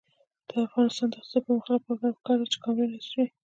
د افغانستان د اقتصادي پرمختګ لپاره پکار ده چې کامرې نصب شي.